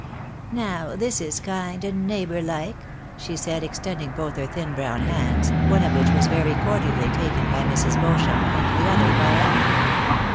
" Now this is kind and neighbour like," she said, extending both her thin brown hands, one of which was very cordially taken by Mrs. Beauchamp, and the other by Annie.